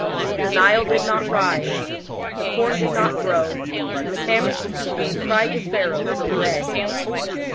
The Nile did not rise, the corn did not grow, and the famished people cried to Pharaoh for bread.